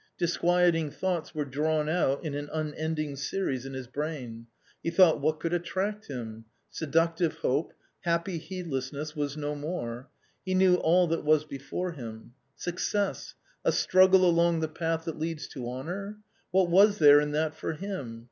Disquieting thoughts were drawn out in an unending series in his brain. He thought: "what could attract him? Seductive hope, happy heedlessness, was no more ! he knew all that was before him. Success, a struggle along the path that leads to honour? What was there in that for him?